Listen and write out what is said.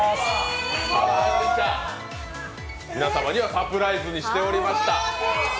皆様にはサプライズにしておりました。